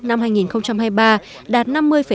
năm hai nghìn hai mươi ba đạt năm mươi năm